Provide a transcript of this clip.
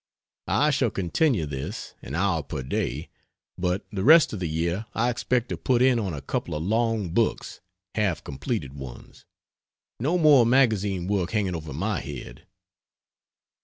I shall continue this (an hour per day) but the rest of the year I expect to put in on a couple of long books (half completed ones.) No more magazine work hanging over my head.